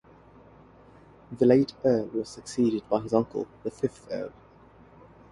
The late Earl was succeeded by his uncle, the fifth Earl.